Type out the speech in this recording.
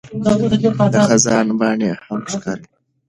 د خزان پاڼې هم ښکلي دي.